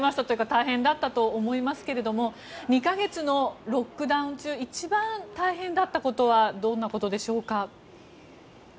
大変だったと思いますが２か月のロックダウン中一番大変だったことはどんなことでしょうか。